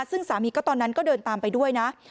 ซึ่งสามีก็ตอนนั้นก็เดินตามไปด้วยนะ